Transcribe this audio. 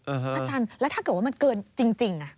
อาจารย์แล้วถ้าเกิดว่ามันเกินจริง